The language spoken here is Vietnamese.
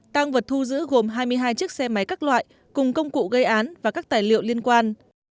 tăng vật thu giữ gồm hai mươi hai chiếc xe máy các loại cùng công cụ gây án và các tài liệu liên quan